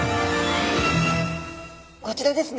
こちらですね。